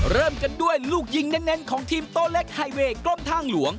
เริ่มกันด้วยลูกยิงเน้นของทีมโต๊ะเล็กไฮเวย์กลมทางหลวง